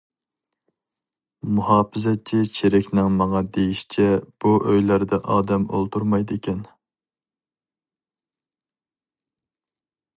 مۇھاپىزەتچى چېرىكنىڭ ماڭا دېيىشىچە، بۇ ئۆيلەردە ئادەم ئولتۇرمايدىكەن.